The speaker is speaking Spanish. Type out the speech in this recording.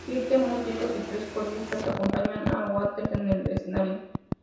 Siete músicos y tres coristas acompañan a Waters en el escenario.